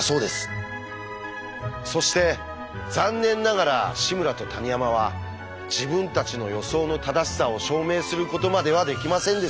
そして残念ながら志村と谷山は自分たちの予想の正しさを証明することまではできませんでした。